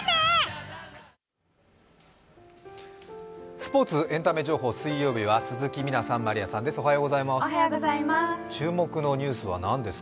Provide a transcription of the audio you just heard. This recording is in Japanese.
スポーツ、エンタメ情報、水曜日は鈴木みなさん、まりあさんです。